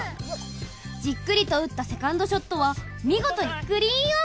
じっくりと打ったセカンドショットは見事にグリーンオン。